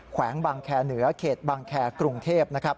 แขวงบางแคร์เหนือเขตบางแคร์กรุงเทพนะครับ